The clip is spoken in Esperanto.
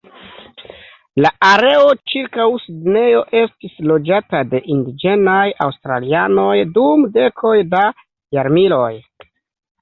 La areo ĉirkaŭ Sidnejo estis loĝata de indiĝenaj aŭstralianoj dum dekoj da jarmiloj.